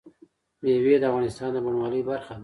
مېوې د افغانستان د بڼوالۍ برخه ده.